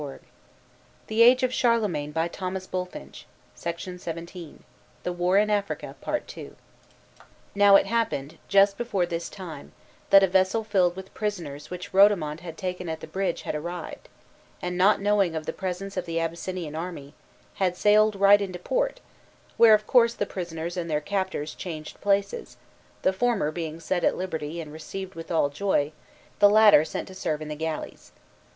Here he rambled along the shore till he came to where the black army of Astolpho held its camp. Now it happened, just before this time, that a vessel filled with prisoners which Rodomont had taken at the bridge had arrived, and, not knowing of the presence of the Abyssinian army, had sailed right into port, where of course the prisoners and their captors changed places, the former being set at liberty and received with all joy, the latter sent to serve in the galleys.